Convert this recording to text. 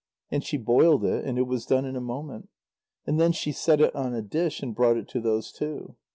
And she boiled it, and it was done in a moment. And then she set it on a dish and brought it to those two.